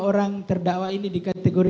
orang terdakwa ini dikategori